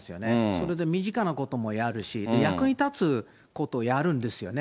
それで身近なこともやるし、役に立つことをやるんですよね。